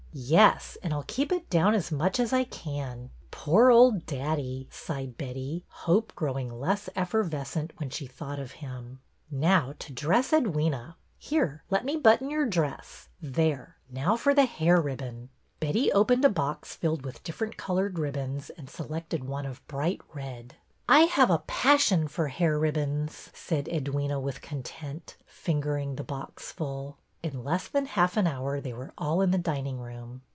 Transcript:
Yes. And I 'll keep it down as much as I can. Poor old daddy !" sighed Betty, hope grow ing less effervescent when she thought of him. Now to dress Edwyna. Here, let me button your dress. There! Now for the hair ribbon." Betty opened a box filled with different colored ribbons and selected one of bright red. 2i6 BETTY BAIRD'S VENTURES '' I have a passion for hair ribbons/' said Edwyna with content, fingering the boxful. In less than half an hour they were all in the dining room.